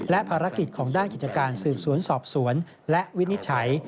และภารกิจของด้านกิจการสืบสวนสอบสวนและวินิจฉัย